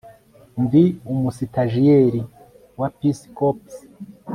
Ndi umusitajiyeri wa Peace Corps